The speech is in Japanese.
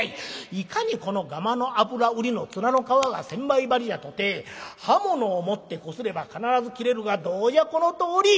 いかにこのがまの油売りの面の皮が千枚張りじゃとて刃物をもってこすれば必ず切れるがどうじゃこのとおり。